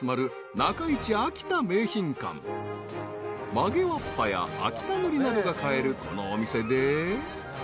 ［曲げわっぱや秋田塗などが買えるこのお店で］